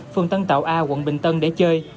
phường tân tạo a quận bình tân để chơi